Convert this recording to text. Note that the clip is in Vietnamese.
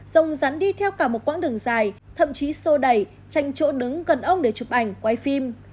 rồng rắn đi theo cả một quãng đường dài thậm chí sô đẩy tranh chỗ đứng gần ông để chụp ảnh quay phim